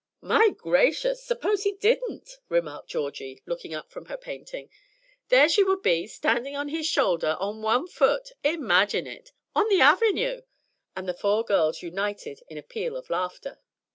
'" "My gracious! suppose he didn't," remarked Georgie, looking up from her painting. "There she would be, standing on his shoulder, on one foot! Imagine it, on the Avenue!" And the four girls united in a peal of laughter.